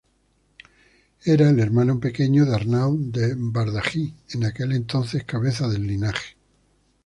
Era el hermano pequeño de Arnau de Bardají, en aquel entonces cabeza del linaje.